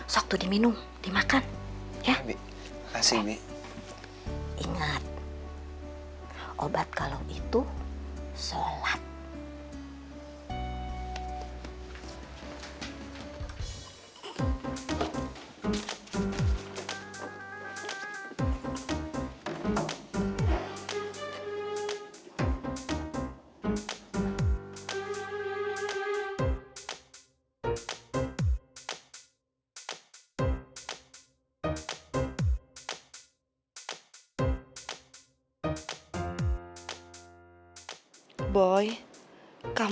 sok tuh diminum dimakan ya